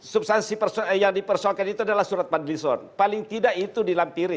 substansi yang dipersoalkan itu adalah surat pak dli son paling tidak itu dilampiri